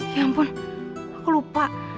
ya ampun aku lupa